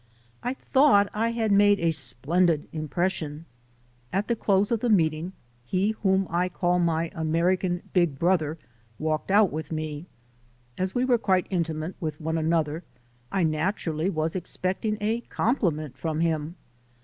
I thought I had made a splendid impression. At the close of the meeting, he whom I call my American "Big Brother 5 * walked out with me. As we were quite intimate with one another, I naturally was expecting a compli ment from him.